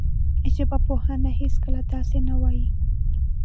ژبپوهنه هېڅکله داسې نه وايي